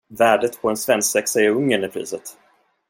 Värdet på en svensexa i Ungern är priset!